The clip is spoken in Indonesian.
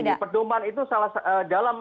jadi ini pedoman itu salah satu